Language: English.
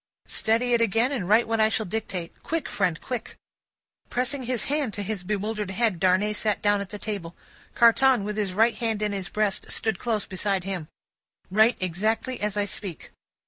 "Steady it again, and write what I shall dictate. Quick, friend, quick!" Pressing his hand to his bewildered head, Darnay sat down at the table. Carton, with his right hand in his breast, stood close beside him. "Write exactly as I speak."